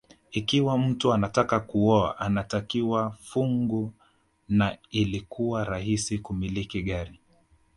Ikiwa mtu anataka kuoa anakatiwa fungu na ilikuwa rahisi kumiliki gari